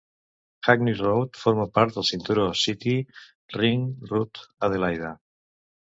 Hackney Road forma part del cinturó City Ring Route, Adelaida.